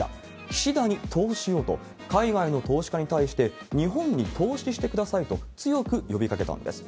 岸田に投資をと、海外の投資家に対して、日本に投資してくださいと、強く呼びかけたんです。